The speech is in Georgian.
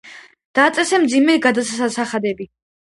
დააწესა მძიმე გადასახადები.